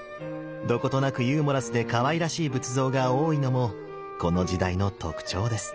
どことなくユーモラスでかわいらしい仏像が多いのもこの時代の特徴です。